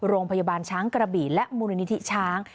โรงพยาบาลช้างกระบี่และมูลนิธิช้าง